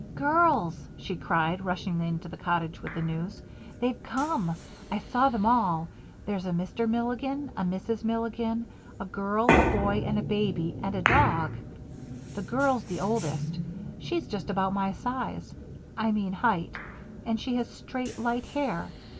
"Girls!" she cried, rushing into the cottage with the news. "They've come. I saw them all. There's a Mr. Milligan, a Mrs. Milligan, a girl, a boy, a baby, and a dog. The girl's the oldest. She's just about my size I mean height and she has straight, light hair.